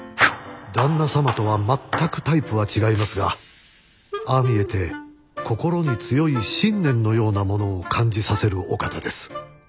旦那様とは全くタイプは違いますがああ見えて心に強い信念のようなものを感じさせるお方です。